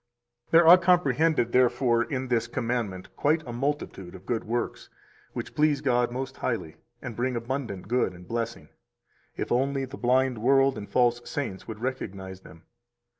290 There are comprehended therefore in this commandment quite a multitude of good works which please God most highly, and bring abundant good and blessing, if only the blind world and the false saints would recognize them.